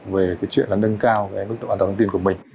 về chuyện nâng cao mức độ an toàn thông tin của mình